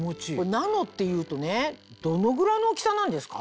ナノっていうとねどのぐらいの大きさなんですか？